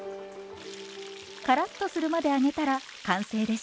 カラッとするまで揚げたら完成です。